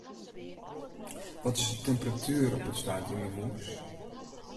Wat is de temperatuer op it stuit yn myn hûs?